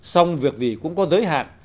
xong việc gì cũng có giới hạn